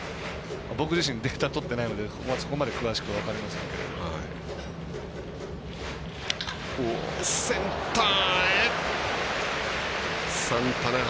僕自身、データとってないのでそこまで詳しく分かりませんが。